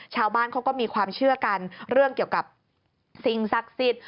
ชาวบ้านเขาก็มีความเชื่อกันเรื่องเกี่ยวกับสิ่งศักดิ์สิทธิ์